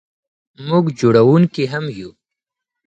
موږ جوړونکي هم یو.